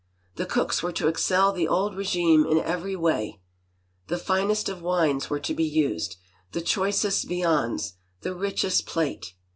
The cooks were to excel the old regime in every way ; the finest of wines were to be used, the choicest viands, the richest plate.